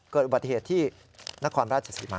เกิดบัตรเหตุที่นครราชสิตมา